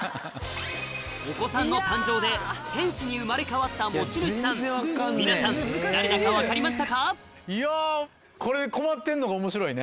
お子さんの誕生で天使に生まれ変わった持ち主さん皆さんいやこれで。